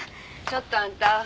ちょっとあんた